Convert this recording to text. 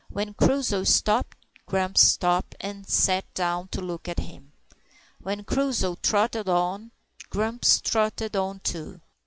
When Crusoe stopped, Grumps stopped and sat down to look at him. When Crusoe trotted on, Grumps trotted on too.